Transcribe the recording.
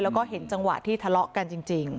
แล้วก็เห็นจังหวะที่ทะเลาะกันจริง